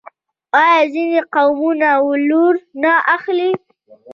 آیا ځینې قومونه ولور نه اخلي؟